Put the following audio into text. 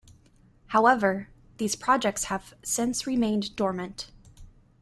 However, these projects have since remained dormant.